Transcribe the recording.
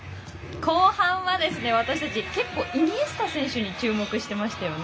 後半は、私たち結構、イニエスタ選手に注目してましたよね。